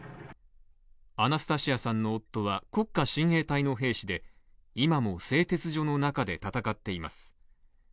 アナスタシアさんの夫は国家親衛隊の兵士で今も製鉄所の中で戦っています。